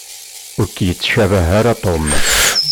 Ur k-yettcabah ara Tom.